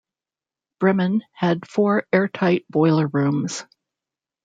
"Bremen" had four airtight boiler rooms.